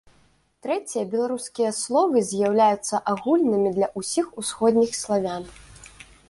Трэція беларускія словы з'яўляюцца агульнымі для ўсіх усходніх славян.